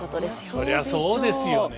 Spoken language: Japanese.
そりゃそうですよね。